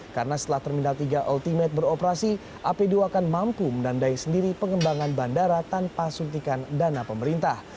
karena setelah terminal tiga ultimate beroperasi ap dua akan mampu mendandai sendiri pengembangan bandara tanpa suntikan dana pemerintah